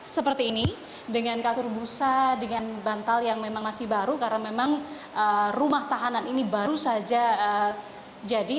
seperti ini dengan kasur busa dengan bantal yang memang masih baru karena memang rumah tahanan ini baru saja jadi